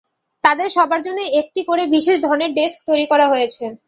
তাঁদের সবার জন্যই একটি করে বিশেষ ধরনের ডেস্ক তৈরি করা হয়েছে।